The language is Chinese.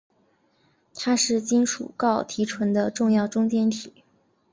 它是金属锆提纯的重要中间体。